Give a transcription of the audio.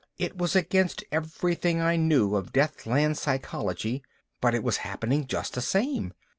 It was against everything I knew of Deathland psychology, but it was happening just the same.